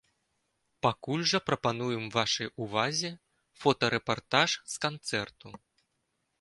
Пакуль жа прапануем вашай увазе фотарэпартаж з канцэрту.